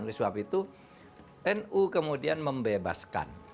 oleh sebab itu nu kemudian membebaskan